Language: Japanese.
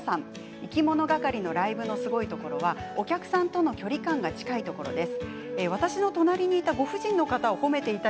いきものがかりのライブのすごいところは、お客さんとの距離感が近いところです。